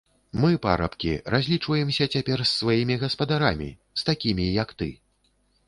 Мы, парабкі, разлічваемся цяпер з сваімі гаспадарамі, з такімі, як ты.